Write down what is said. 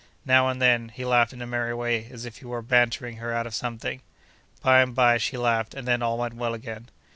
Now and then, he laughed in a merry way, as if he were bantering her out of something. By and by, she laughed, and then all went well again.